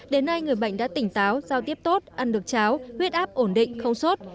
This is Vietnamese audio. đến nay người bệnh đã tỉnh táo giao tiếp tốt ăn được cháo huyết áp ổn định không sốt